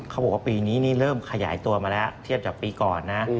เขาบอกว่าปีนี้นี่เริ่มขยายตัวมาแล้วเทียบจากปีก่อนนะ